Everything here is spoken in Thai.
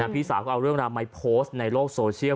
พี่สาวก็เอาเรื่องราวมาโพสต์ในโลกโซเชียล